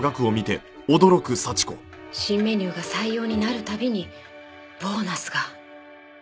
新メニューが採用になるたびにボーナスが。